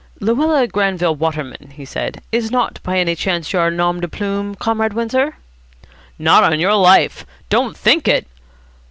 "Luella Granville Waterman," he said, "is not by any chance your nom de plume, Comrade Windsor?" "Not on your life. Don't think it."